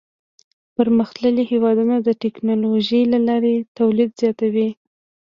پرمختللي هېوادونه د ټکنالوژۍ له لارې تولید زیاتوي.